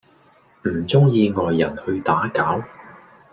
唔鍾意外人去打攪